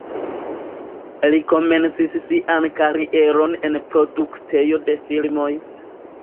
Li komencis sian karieron en produktejo de filmoj.